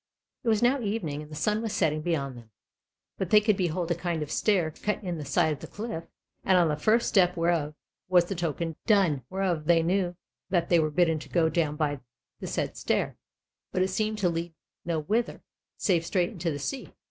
It was now evening, and the sun was setting beyond them, but they could behold a kind of stair cut in the side of the cliff, and on the first step whereof was the token done; wherefore they knew that they were bidden to go down by the said stair; but it seemed to lead no whither, save straight into the sea.